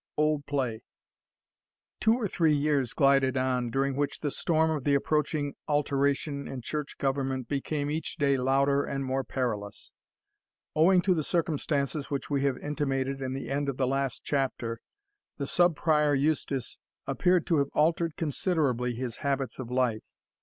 OLD PLAY. Two or three years glided on, during which the storm of the approaching alteration in church government became each day louder and more perilous. Owing to the circumstances which we have intimated in the end of the last chapter, the Sub Prior Eustace appeared to have altered considerably his habits of life.